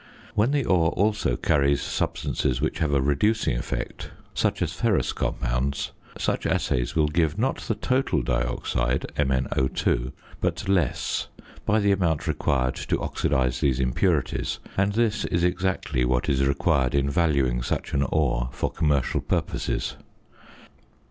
When the ore also carries substances which have a reducing effect (such as ferrous compounds), such assays will give, not the total dioxide (MnO_), but less, by the amount required to oxidise these impurities; and this is exactly what is required in valuing such an ore for commercial purposes.